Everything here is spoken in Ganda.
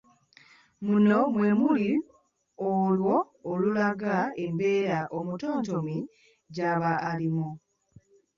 Muno mwe muli olwo olulaga embeera omutontomi gyaba alimu.